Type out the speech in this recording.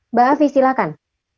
mbak avi silakan